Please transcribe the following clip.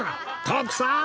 徳さん